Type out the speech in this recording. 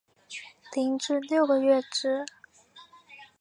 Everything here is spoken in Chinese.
零至六个月之